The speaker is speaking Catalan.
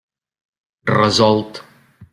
Resolt!